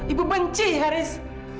ibu benci haris